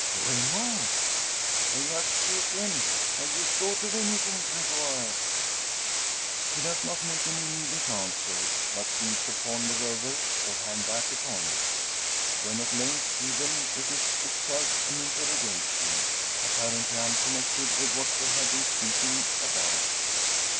"Vraiment! I ask you again have you thought of anything, Gregoire?" He does not make immediate answer, but seems to ponder over, or hang back upon it. When at length given it is itself an interrogation, apparently unconnected with what they have been speaking about.